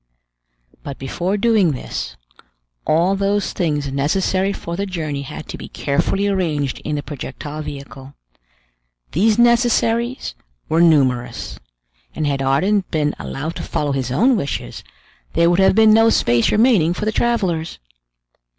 But before doing this, all those things necessary for the journey had to be carefully arranged in the projectile vehicle. These necessaries were numerous; and had Ardan been allowed to follow his own wishes, there would have been no space remaining for the travelers.